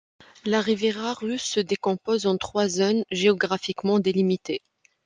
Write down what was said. La Riviera russe se décompose en trois zones géographiquement délimitées.